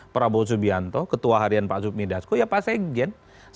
prabowo subianto ketua harian pak submi dasko ya pasti